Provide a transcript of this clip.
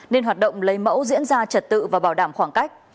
nên hoạt động lấy mẫu diễn ra trật tự và bảo đảm khoảng cách